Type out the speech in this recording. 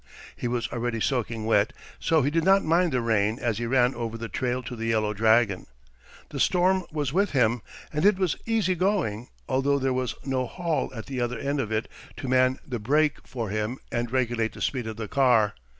He was already soaking wet, so he did not mind the rain as he ran over the trail to the Yellow Dragon. The storm was with him, and it was easy going, although there was no Hall at the other end of it to man the brake for him and regulate the speed of the car.